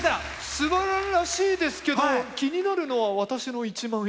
すばらしいですけど気になるのは私の一万円。